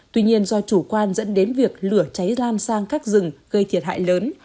tuy nhiên do chủ quan dẫn đến việc lửa cháy lan sang các rừng gây thiệt hại lớn